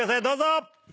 どうぞ！